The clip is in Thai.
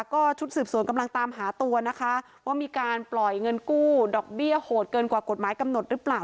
ก็ชุดสืบสวนกำลังตามหาตัวนะคะว่ามีการปล่อยเงินกู้ดอกเบี้ยโหดเกินกว่ากฎหมายกำหนดหรือเปล่า